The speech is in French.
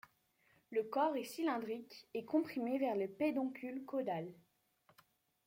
Le corps est cylindrique et comprimé vers le pédoncule caudal.